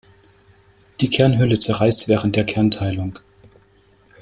Die Kernhülle zerreißt während der Kernteilung.